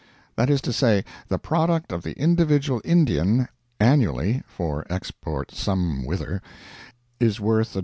That is to say, the product of the individual Indian, annually (for export some whither), is worth $1.